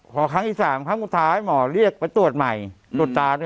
พอครั้งที่๓ครั้งสุดท้ายหมอเรียกไปตรวจใหม่ตรวจตา